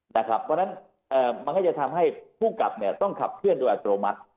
เพราะฉะนั้นมันก็จะทำให้ผู้กลับต้องขับเคลื่อนโดยอัตโนมัติ